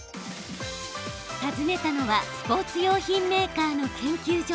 訪ねたのはスポーツ用品メーカーの研究所。